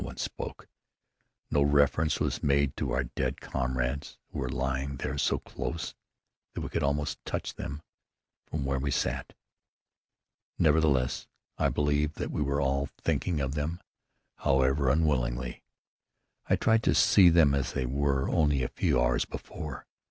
No one spoke. No reference was made to our dead comrades who were lying there so close that we could almost touch them from where we sat. Nevertheless, I believe that we were all thinking of them, however unwillingly. I tried to see them as they were only a few hours before.